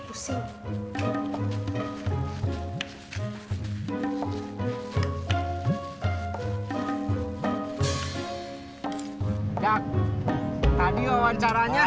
jack tadi wawancaranya